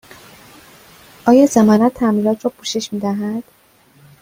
آیا ضمانت تعمیرات را پوشش می دهد؟